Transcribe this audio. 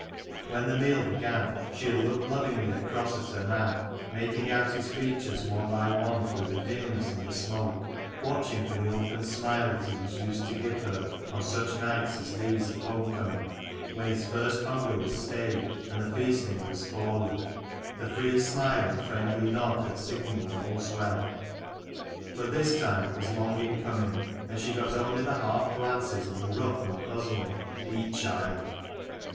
When the meal began, she had looked lovingly across at her man, making out his features one by one through the dimness and the smoke, watching for the open smile that he was used to give her, on such nights as these of home coming, when his first hunger was stayed and the feasting was forward: the free smile and friendly nod that signalled all's well. But this time it was long in coming: and she got only the half glances and the rough and puzzling " Eat, child."